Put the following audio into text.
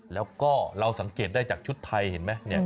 แล้วก็เราสังเกตได้จากชุดไทยเห็นไหม